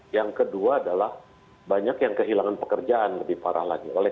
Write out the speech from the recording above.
yang kedua adalah banyak yang kehilangan pekerjaan lebih parah lagi